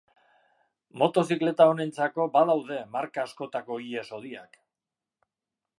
Motozikleta honentzako badaude marka askotako ihes-hodiak.